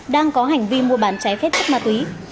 đang có hành vi mua bán trái phép chất mà tùy